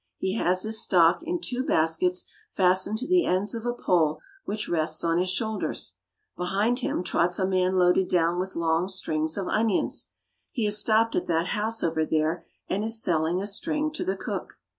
He has his stock in two baskets fastened to the ends of a pole which rests on his shoulders. Behind him trots a man loaded down with long strings of onions. He has stopped at that house over there and is selling a string to the cook.